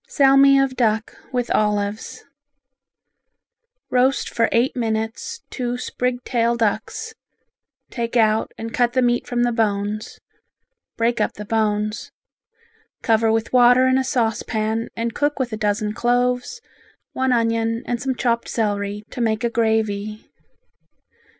Salmi of Duck with Olives Roast for eight minutes two sprig tail ducks, take out and cut the meat from the bones. Break up the bones. Cover with water in a saucepan and cook with a dozen cloves, one onion and some chopped celery, to make a gravy.